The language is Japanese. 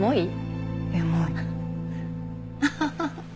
アハハハ。